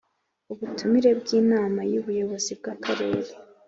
Ubutumire bw Inama y Ubuyobozi bw Akarere